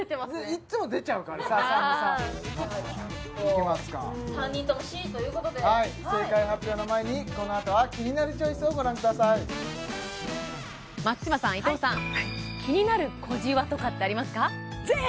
いっつも出ちゃうからささんまさんじゃあいきますか３人ともＣということではい正解発表の前にこのあとは「キニナルチョイス」をご覧ください松嶋さん伊藤さん全部！？